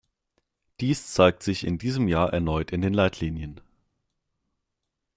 Dies zeigt sich in diesem Jahr erneut in den Leitlinien.